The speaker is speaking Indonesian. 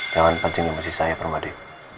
jangan pancing sama si saya permadi